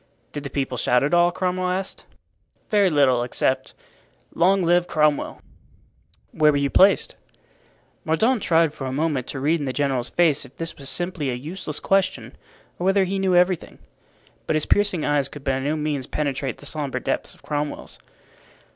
"Did the people shout at all?" Cromwell asked. "Very little, except 'Long live Cromwell!'" "Where were you placed?" Mordaunt tried for a moment to read in the general's face if this was simply a useless question, or whether he knew everything. But his piercing eyes could by no means penetrate the sombre depths of Cromwell's.